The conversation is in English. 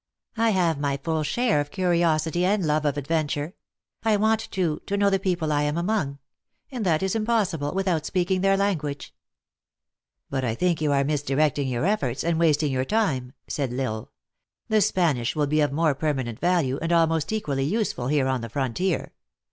I have my full share of curiosity and love of adventure ; I want, too, to know the people I am among ; and that is impossible, without speaking their language." " But I think you are misdirecting your eiforts, and wasting your time," said L Isle. "The Spanish will be of more permanent value, and almost equally use ful here on the frontier.